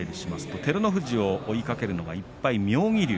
照ノ富士を追いかけるのが１敗の妙義龍。